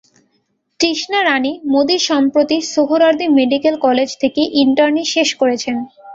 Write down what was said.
তৃষ্ণা রানী মোদি সম্প্রতি Suhrawardy medical college থেকে internee শেষ করেছেন।